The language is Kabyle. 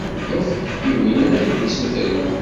Efk i win ara k-d-issutren.